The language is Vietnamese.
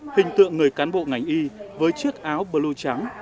hình tượng người cán bộ ngành y với chiếc áo blue trắng